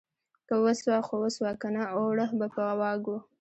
که وسوه خو وسوه ، که نه اوړه به په واغږو.